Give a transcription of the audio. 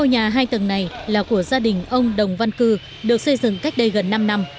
nhà hai tầng này là của gia đình ông đồng văn cư được xây dựng cách đây gần năm năm